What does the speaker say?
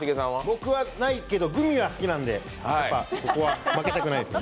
僕はないけどグミは好きなんでここは負けたくないです。